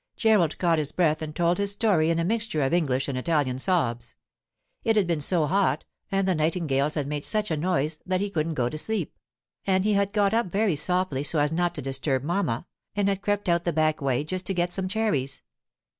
Gerald caught his breath and told his story in a mixture of English and Italian and sobs. It had been so hot, and the nightingales had made such a noise, that he couldn't go to sleep; and he had got up very softly so as not to disturb mamma, and had crept out the back way just to get some cherries.